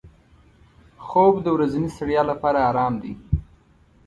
خوب د ورځني ستړیا لپاره آرام دی